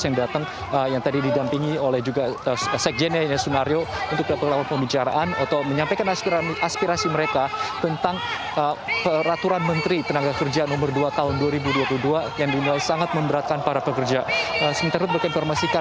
yang datang yang tadi didampingi oleh juga sekjen